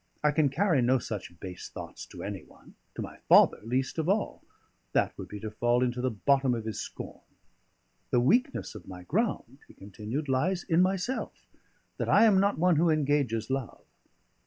I can carry no such base thoughts to any one to my father least of all; that would be to fall into the bottom of his scorn. The weakness of my ground," he continued, "lies in myself, that I am not one who engages love.